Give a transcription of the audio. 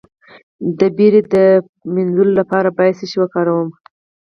د ویرې د مینځلو لپاره باید څه شی وکاروم؟